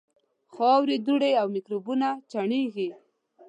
خاورې، دوړې او میکروبونه چاڼېږي.